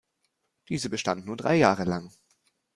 Diese bestand nur drei Jahre lang.